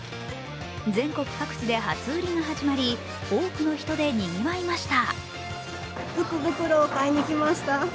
全国各地で初売りが始まり多くの人でにぎわいました。